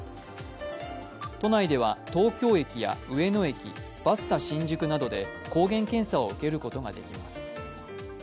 都内では東京駅や上野駅、バスタ新宿などで抗原検査を受けることができます。